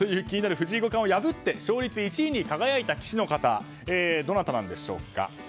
気になる藤井五冠を破って勝率１に輝いた棋士の方はどなたなんでしょうか。